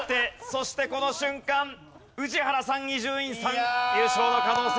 そしてこの瞬間宇治原さん伊集院さん優勝の可能性なくなりました。